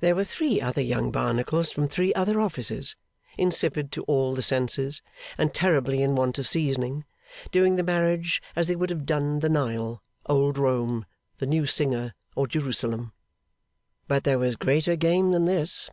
There were three other Young Barnacles from three other offices, insipid to all the senses, and terribly in want of seasoning, doing the marriage as they would have 'done' the Nile, Old Rome, the new singer, or Jerusalem. But there was greater game than this.